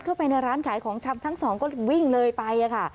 เข้าไปในร้านขายของชำทั้งสองก็วิ่งเลยไปค่ะ